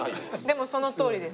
でもそのとおりです。